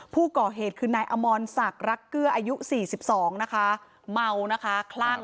ผู้ก่อเหตุคือนายอมรสักรักเกลืออายุสี่สิบสองนะคะเมานะคะคลั่ง